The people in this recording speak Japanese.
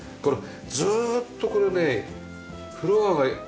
ずーっとこれねフロアが木でしょ？